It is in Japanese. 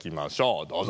どうぞ！